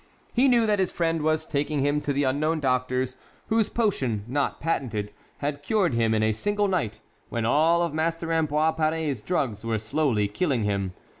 He knew that his friend was taking him to the unknown doctor's whose potion (not patented) had cured him in a single night, when all of Master Ambroise Paré's drugs were slowly killing him.